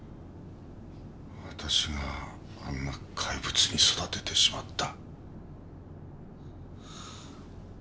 わたしがあんな怪物に育ててしまった。